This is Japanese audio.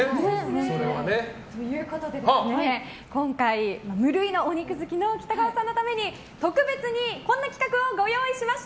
それはね今回、無類のお肉好きの北川さんのために特別にこんな企画をご用意しました。